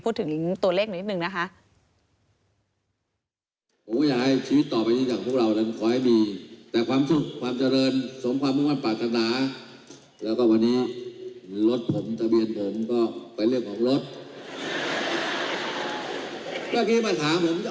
พูดถึงตัวเลขหน่อยนิดหนึ่งนะคะ